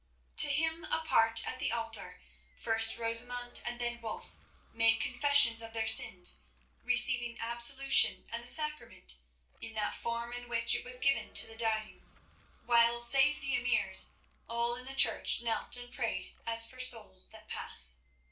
To him apart at the altar, first Rosamund and then Wulf made confession of their sins, receiving absolution and the sacrament in that form in which it was given to the dying; while, save the emirs, all in the church knelt and prayed as for souls that pass.